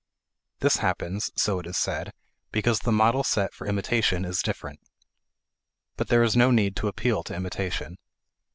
This happens, so it is said, because the model set for imitation is different. But there is no need to appeal to imitation.